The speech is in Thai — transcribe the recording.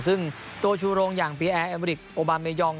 ซึ่งตัวชูโรงอย่างพระอาทิตย์แอมพอริกส์โอบาเมยอง